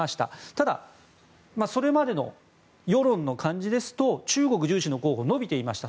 ただ、それまでの世論の感じですと中国重視の候補伸びていました。